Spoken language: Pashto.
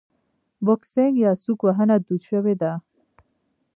بوکسینګ یا سوک وهنه دود شوې ده.